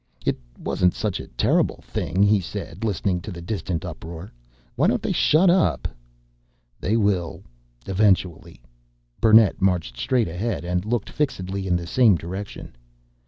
"It wasn't such a terrible thing," he said, listening to the distant uproar. "Why don't they shut up!" "They will eventually." Burnett marched straight ahead and looked fixedly in the same direction.